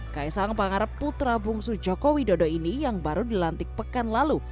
kaisang pangarep putra bungsu joko widodo ini yang baru dilantik pekan lalu